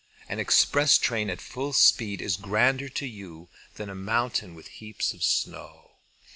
An express train at full speed is grander to you than a mountain with heaps of snow.